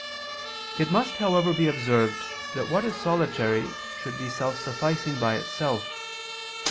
It must, however, be observed that what is solitary should be self sufficing by itself.